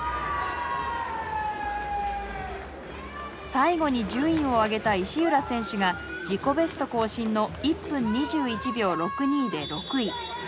最後に順位を上げた石浦選手が自己ベスト更新の１分２１秒６２で６位。